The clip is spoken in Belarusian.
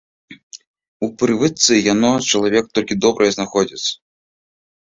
У прывычцы яно чалавек толькі добрае знаходзіць.